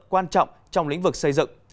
quan trọng trong lĩnh vực xây dựng